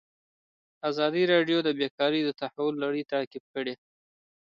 ازادي راډیو د بیکاري د تحول لړۍ تعقیب کړې.